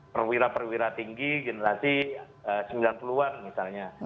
perwira perwira tinggi generasi sembilan puluh an misalnya